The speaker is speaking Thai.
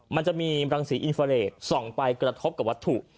มันจะมีรังสีอินฟาเลสส่องไปกระทบกับวัตถุ